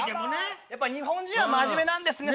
やっぱ日本人は真面目なんですね。